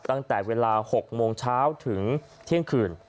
ตั้งแต่เวลา๖โมงเช้าถึงเที่ยงคืน